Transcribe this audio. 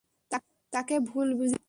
তাকে ভুল বুঝিস না।